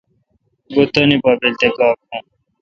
گو°تانی پا بیل تے گا کھوں۔